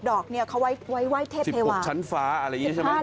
๑๖ดอกเขาไว้เทพเทวา๑๖ชั้นฟ้าอะไรอย่างนี้ใช่ไหม